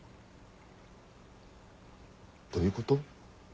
どういうこと？